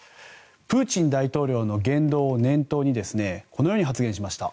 プーチン大統領の言動を念頭にこのように発言しました。